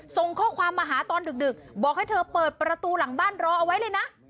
ส่งข้อความมาหาตอนดึกบอกให้เธอเปิดประตูหลังบ้านรอเอาไว้เลยนะ